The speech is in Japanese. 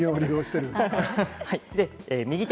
右手